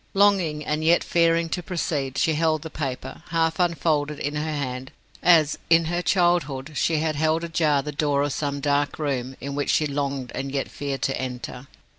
Longing, and yet fearing, to proceed, she held the paper, half unfolded, in her hand, as, in her childhood, she had held ajar the door of some dark room, into which she longed and yet feared to enter.